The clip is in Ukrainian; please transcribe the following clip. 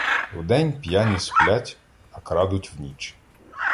Вдень п'яні сплять, а крадуть вніч.